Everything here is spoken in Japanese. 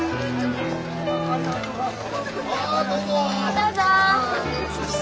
どうぞ！